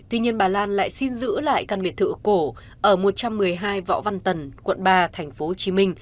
tuy nhiên bà lan lại xin giữ lại căn biệt thự cổ ở một trăm một mươi hai võ văn tần quận ba tp hcm